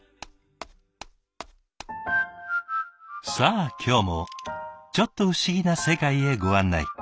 さあ今日もちょっと不思議な世界へご案内。